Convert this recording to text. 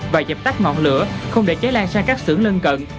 và dập tắt ngọn lửa không để cháy lan sang các xưởng lân cận